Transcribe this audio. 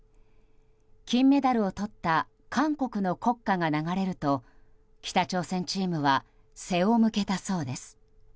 金メダルをとった韓国の国歌が流れると北朝鮮チームは背を向けたそうです。